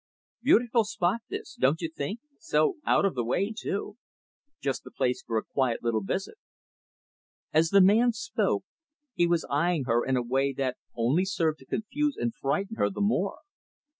Beautiful spot this don't you think? so out of the way, too. Just the place for a quiet little visit." As the man spoke, he was eyeing her in a way that only served to confuse and frighten her the more.